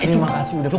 terima kasih udah cukup